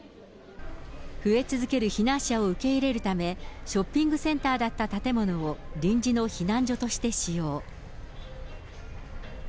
増え続ける避難者を受け入れるため、ショッピングセンターだった建物を臨時の避難所として使用。